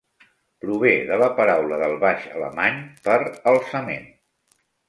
Prové de la paraula del baix alemany per "alçament".